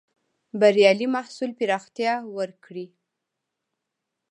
بریالي محصول پراختيا ورکړې.